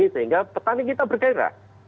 sehingga petani kita bergairah